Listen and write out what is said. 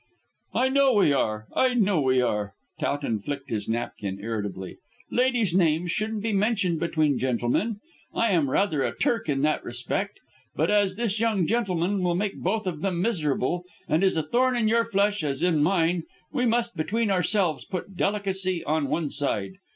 "I know we are; I know we are." Towton flicked his napkin irritably. "Ladies' names shouldn't be mentioned between gentlemen. I am rather a Turk in that respect; but as this young gentleman will make both of them miserable, and is a thorn in your flesh as in mine, we must between ourselves put delicacy on one side.